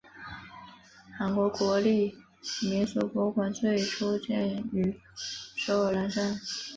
韩国国立民俗博物馆最初建于首尔南山。